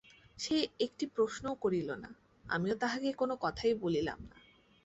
সে একটি প্রশ্নও করিল না, আমিও তাহাকে কোনো কথাই বলিলাম না।